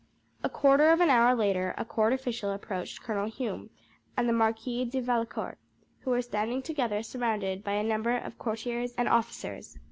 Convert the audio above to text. A quarter of an hour later a court official approached Colonel Hume and the Marquis de Vallecourt, who were standing together surrounded by a number of courtiers and officers.